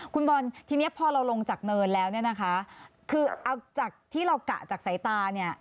คุณบอลทีนี้พอเราลงจากเนินแล้วเนี่ยนะคะคือเอาจากที่เรากะจากสายตาเนี่ย